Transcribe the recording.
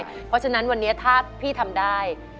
เพราะฉะนั้นวันนี้ถ้าพี่ทำได้